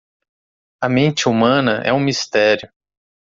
A mente humana é um mistério